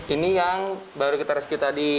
ini yang baru kita rescue tadi